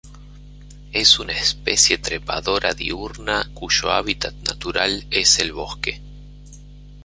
Es una especie trepadora diurna cuyo hábitat natural es el bosque.